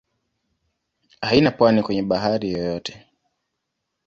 Haina pwani kwenye bahari yoyote.